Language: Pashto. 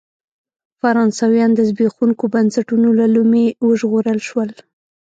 فرانسویان د زبېښونکو بنسټونو له لومې وژغورل شول.